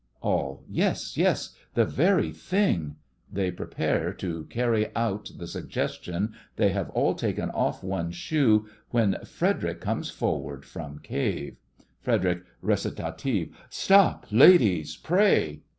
ALL: Yes, yes! The very thing! (They prepare to carry, out the suggestion. They have all taken off one shoe, when FREDERIC comes forward from cave.) FREDERIC: (recitative). Stop, ladies, pray!